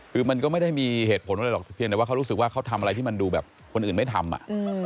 คือมันก็ไม่ได้มีเหตุผลอะไรหรอกเพียงแต่ว่าเขารู้สึกว่าเขาทำอะไรที่มันดูแบบคนอื่นไม่ทำอ่ะ